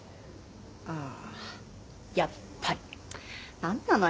ああーやっぱりなんなの？